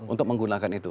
untuk menggunakan itu